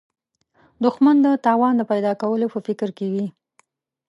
دښمن د تاوان د پیدا کولو په فکر کې وي